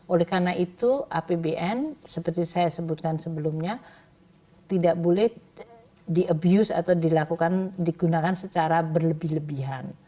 oleh karena itu apbn seperti saya sebutkan sebelumnya tidak boleh di abuse atau digunakan secara berlebih lebihan